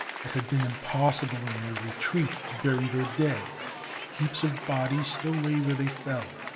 It had been impossible in their retreat to bury their dead. Heaps of bodies still lay where they fell.